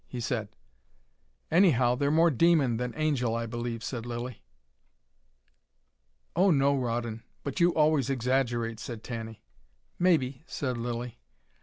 he said. "Anyhow they're more demon than angel, I believe," said Lilly. "Oh, no, Rawdon, but you always exaggerate," said Tanny. "Maybe," said Lilly.